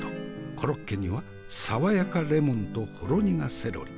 コロッケには爽やかレモンとほろ苦セロリ。